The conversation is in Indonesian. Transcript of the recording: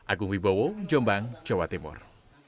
agung wibowo jombang jawa timur